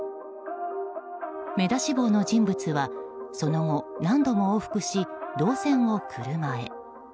目出し帽の人物はその後、何度も往復し銅線を車へ。